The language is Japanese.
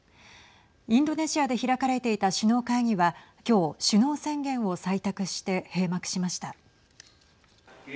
インドネシアで開かれていた首脳会議は今日、首脳宣言を採択して閉幕しました。